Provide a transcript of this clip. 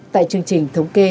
tại chương trình thống kê